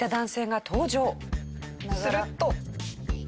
すると。